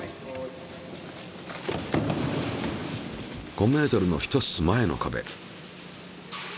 ５ｍの一つ前の壁。